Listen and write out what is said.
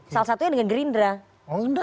salah satunya dengan gerindra